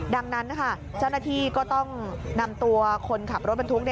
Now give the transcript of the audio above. ดังนั้นนะคะเจ้าหน้าที่ก็ต้องนำตัวคนขับรถบรรทุก